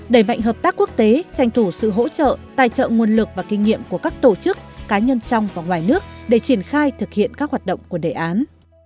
đẩy mạnh hợp tác quốc tế tranh thủ sự hỗ trợ tài trợ nguồn lực và kinh nghiệm của các tổ chức cá nhân trong và ngoài nước để triển khai thực hiện các hoạt động của đề án